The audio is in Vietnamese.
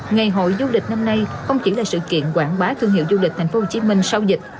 ngày hội du lịch năm nay không chỉ là sự kiện quảng bá thương hiệu du lịch thành phố hồ chí minh sau dịch